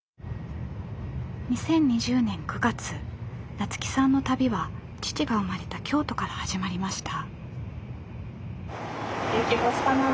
菜津紀さんの旅は父が生まれた京都から始まりました。